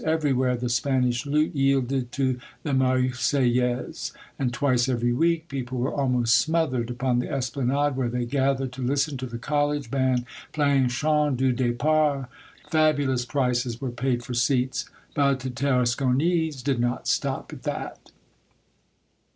Everywhere The Spanish Lute " yielded to "The Marseillaise," and twice every week people were almost smoth ered upon the Esplanade, where they gathered to listen to the college band playing the Chant du Depart. Fabulous prices were paid for seats. But the Tarasconese did not stop at that.